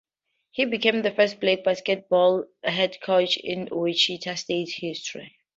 He became the first black basketball head coach in Wichita State history.